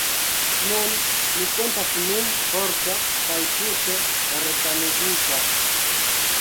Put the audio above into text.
Nun mi sentas min forta kaj tute resanigita.